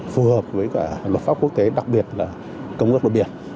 phù hợp với cả luật pháp quốc tế đặc biệt là công ước luật biển